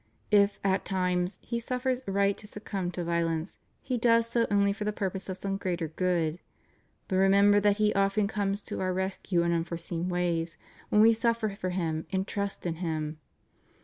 If, at times. He suffers right to succumb to violence He does so only for the purpose of some greater good ; but remem ber that He often comes to Our rescue in unforseen ways when We suffer for Him and trust in Him.